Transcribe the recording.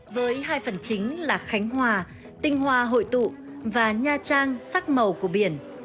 với hai phần chính là khánh hòa tinh hoa hội tụ và nha trang sắc màu của biển